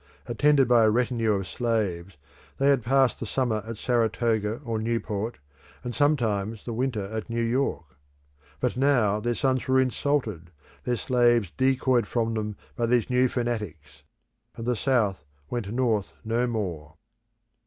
Attended by a retinue of slaves they had passed the summer at Saratoga or Newport, and sometimes the winter at New York. But now their sons were insulted, their slaves decoyed from them by these new fanatics; and the South went North no more.